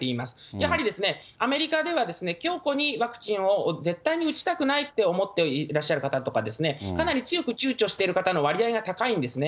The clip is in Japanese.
やはりアメリカでは強固にワクチンを絶対に打ちたくないと思っていらっしゃる方とか、かなり強くちゅうちょしている方の割合が高いんですね。